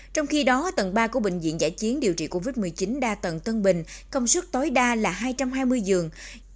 trong khi đó tầng ba của bệnh viện giải chiến điều trị covid một mươi chín đa tầng tân bình công suất tối đa là hai trăm hai mươi giường